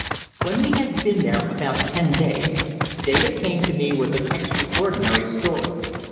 When we had been there about ten days David came to me with an extraordinary story.